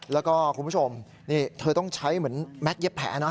แล้วก็คุณผู้ชมเจ้าต้องใช้แบบแมคเย็บแผ่นะ